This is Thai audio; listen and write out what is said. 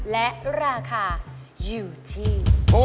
และราคาอยู่ที่